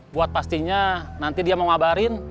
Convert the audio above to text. buat pastinya nanti dia mau ngabarin